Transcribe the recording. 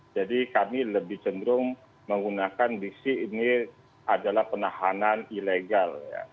jadi kami lebih cenderung menggunakan bisik ini adalah penahanan ilegal